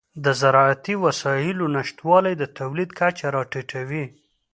د زراعتي وسایلو نشتوالی د تولید کچه راټیټوي.